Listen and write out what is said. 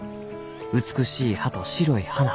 美しい葉と白い花。